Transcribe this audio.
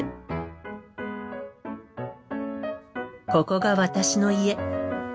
ここが私の家。